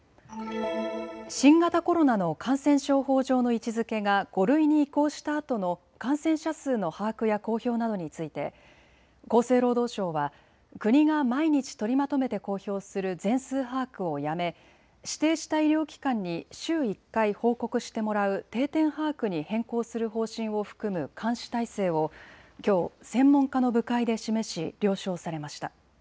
新型コロナの感染症法上の位置づけが５類に移行したあとの感染者数の把握や公表などについて厚生労働省は国が毎日取りまとめて公表する全数把握をやめ指定した医療機関に週１回報告してもらう定点把握に変更する方針を含む監視体制をきょう専門家の部会で示し、了承されました。